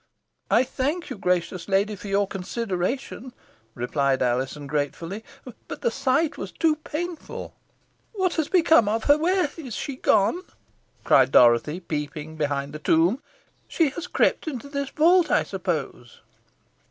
"I thank you, gracious lady, for your consideration," replied Alizon, gratefully; "but the sight was too painful." "What has become of her where is she gone?" cried Dorothy, peeping behind the tomb. "She has crept into this vault, I suppose."